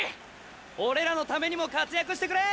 俺らのためにも活躍してくれ！